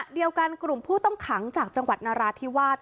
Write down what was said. กลุ่มผู้ต้องขังจากจังหวัดนราธิวาส